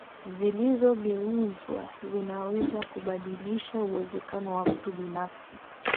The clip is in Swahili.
zilizogeuzwa zinaweza kubadilisha uwezekano wa mtu binafsi